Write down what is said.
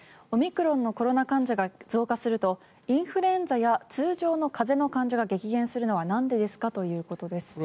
オミクロンのコロナ患者が増加するとインフルエンザや通常の風邪の患者が激減するのはなんでですかということです。